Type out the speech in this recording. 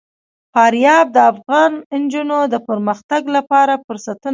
فاریاب د افغان نجونو د پرمختګ لپاره فرصتونه برابروي.